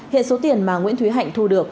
hiện số tiền mà nguyễn thúy hạnh thu được